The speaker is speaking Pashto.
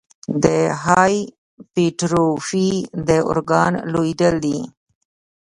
د هایپرټروفي د ارګان لویېدل دي.